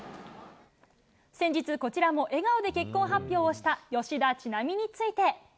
先日、こちらも笑顔で結婚発表をした吉田知那美について。